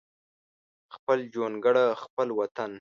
خپل جونګړه خپل وطن